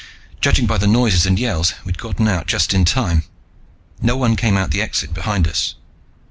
Judging by the noises and yells, we'd gotten out just in time. No one came out the exit behind us.